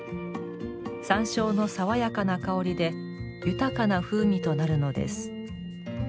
山椒の爽やかな香りで豊かな風味となるのです。